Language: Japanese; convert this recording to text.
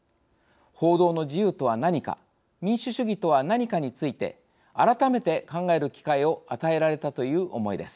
報道の自由とは何か民主主義とは何かについて改めて考える機会を与えられたという思いです。